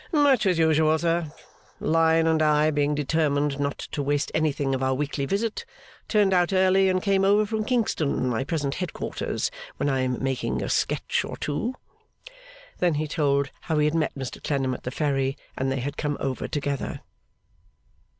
'Much as usual, sir. Lion and I being determined not to waste anything of our weekly visit, turned out early, and came over from Kingston, my present headquarters, where I am making a sketch or two.' Then he told how he had met Mr Clennam at the ferry, and they had come over together.